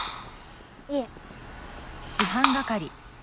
いえ。